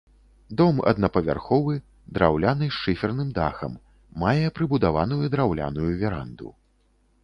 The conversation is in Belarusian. Дом аднапавярховы, драўляны з шыферным дахам, мае прыбудаваную драўляную веранду.